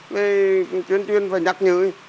về chuyên chuyên và nhắc nhớ